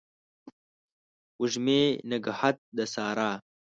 وږمې نګهت د سارا